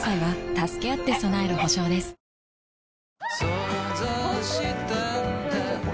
想像したんだ